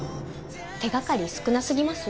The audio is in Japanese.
手掛かり少なすぎます？